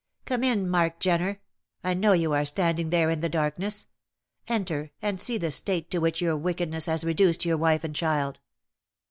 "Come in, Mark Jenner. I know you are standing there in the darkness. Enter, and see the state to which your wickedness has reduced your wife and child.